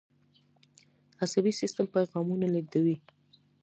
عصبي سیستم پیغامونه لیږدوي